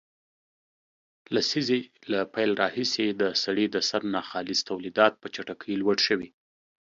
لسیزې له پیل راهیسې د سړي د سر ناخالص تولیدات په چټکۍ لوړ شوي